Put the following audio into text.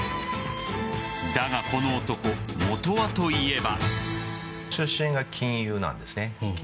だが、この男本はといえば。